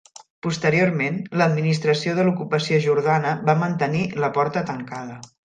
Posteriorment, l'administració de l'ocupació jordana van mantenir la porta tancada.